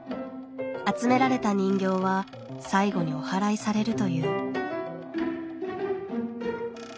集められた人形は最後におはらいされるという。